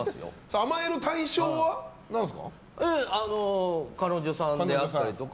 甘える対象は何ですか？